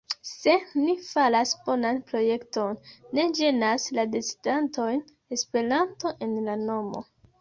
Se ni faras bonan projekton, ne ĝenas la decidantojn Esperanto en la nomo.